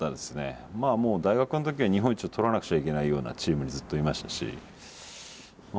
まあもう大学の時は日本一を取らなくちゃいけないようなチームにずっといましたしまあ